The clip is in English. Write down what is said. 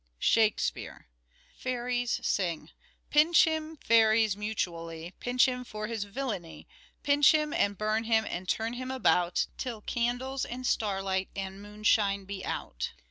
Shakespeare. Fairies sing :—" Pinch him, fairies, mutually ; Pinch him for his villany. Pinch him, and burn him, and turn him about, Till candles and starlight and moonshine be out."